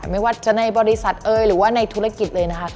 ไม่ว่าจะในบริษัทเอ่ยหรือว่าในธุรกิจเลยนะคะ